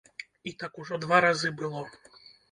І так ужо два разы было.